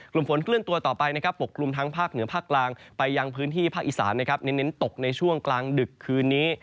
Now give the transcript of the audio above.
กลุ่มฝนเคลื่อนตัวต่อไปนะครับปกกลุ่มทั้งภาคเหนือภาคกลางไปยังพื้นที่ภาคอีสานนะครับเน้นตกในช่วงกลางดึกคืนนี้